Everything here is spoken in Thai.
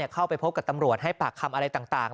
เข้าไปพบกับตำรวจให้ปากคำอะไรต่าง